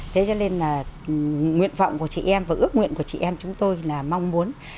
thế cho nên là nguyện vọng của chị em và ước nguyện của chị em chúng tôi là mong muốn